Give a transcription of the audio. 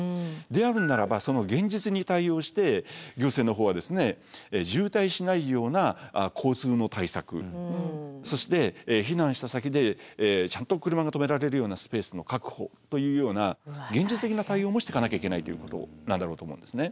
であるんならば現実に対応して行政のほうは渋滞しないような交通の対策そして避難した先でちゃんと車が止められるようなスペースの確保というような現実的な対応もしていかなきゃいけないということなんだろうと思うんですね。